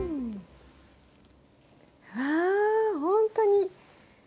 わぁほんとに。